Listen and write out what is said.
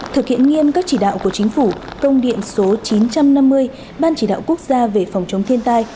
thực hiện nghiêm các chỉ đạo của chính phủ công điện số chín trăm năm mươi ban chỉ đạo quốc gia về phòng chống thiên tai